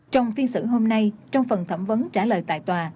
trong phiên xử hôm nay trong phần thẩm vấn trả lời tại tòa